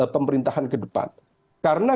pemerintahan ke depan karena